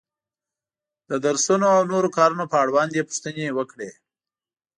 د درسونو او نورو کارونو په اړوند یې پوښتنې وکړې.